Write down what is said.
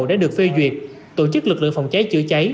đã được phê duyệt tổ chức lực lượng phòng cháy chữa cháy